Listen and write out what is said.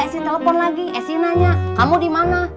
esi nanya kamu dimana